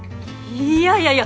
いやいやいや